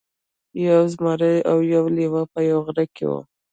یو زمری او یو لیوه په یوه غار کې وو.